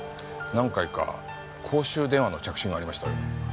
何回か公衆電話の着信がありましたよね。